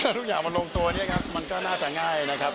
ทุกอย่างมันลงตัวเนี่ยครับมันก็น่าจะง่ายนะครับ